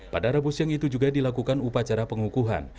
pada rebus yang itu juga dilakukan upacara pengukuhan